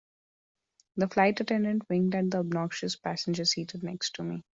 The flight attendant winked at the obnoxious passenger seated next to me.